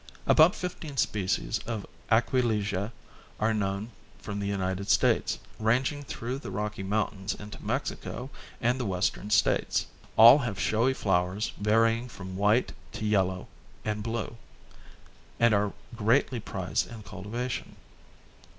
About fifteen species of Aquilegia are known from the United States, ranging through the Rocky Mountains into Mexico and the western states; all have showy flowers varying from white to yellow and blue, and are greatly prized in cultivation.